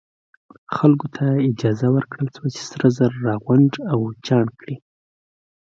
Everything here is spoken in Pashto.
خلکو ته اجازه ورکړل شوه چې سره زر راغونډ او چاڼ کړي.